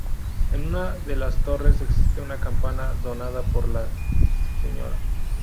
En una de las torres existe una campana donada por la Sra.